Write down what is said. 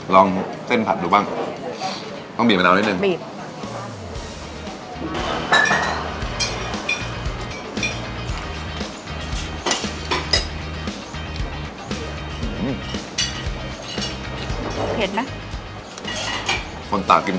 ลองเส้นผัดดูบ้างต้องบีบมะนาวนิดนึง